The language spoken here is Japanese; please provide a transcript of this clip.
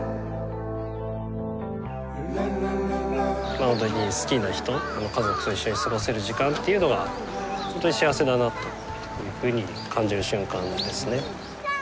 ホントに好きな人家族と一緒に過ごせる時間っていうのがホントに幸せだなというふうに感じる瞬間ですね。